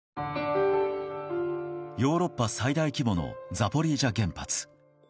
ヨーロッパ最大規模のザポリージャ原発。